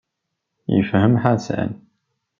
Yefhem Ḥasan.